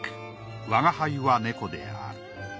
『吾輩は猫である』。